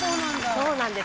そうなんです。